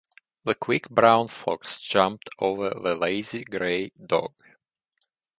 The quick brown fox jumped over the lazy gray dog.